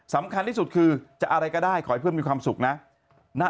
สำคัญที่สุดคือจะอะไรก็ได้ขอให้เพื่อนมีความสุขนะ